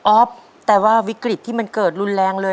อฟแต่ว่าวิกฤตที่มันเกิดรุนแรงเลย